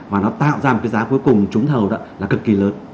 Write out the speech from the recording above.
và nó tạo ra một cái giá cuối cùng trúng thầu đó là cực kỳ lớn